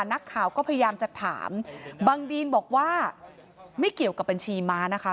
นักข่าวก็พยายามจะถามบังดีนบอกว่าไม่เกี่ยวกับบัญชีม้านะคะ